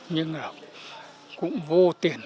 nhưng là cũng vô tiền